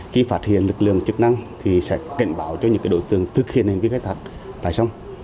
khi phát hiện lực lượng chức năng thì sẽ cảnh báo cho những đối tượng thực hiện hành vi khai thác tại sông